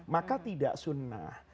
maka tidak sunnah